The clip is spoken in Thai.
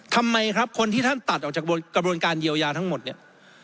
ทำไมครับคนที่ท่านตัดออกจากกระบวนการเยียวยาทั้งหมดเนี่ย